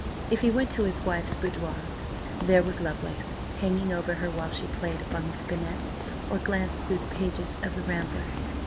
If he went to his wife's boudoir, there was Lovelace, hanging over her while she played upon the spinet or glanced through the pages of the Rambler.